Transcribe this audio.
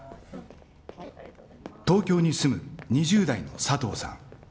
東京に住む２０代の佐藤さん。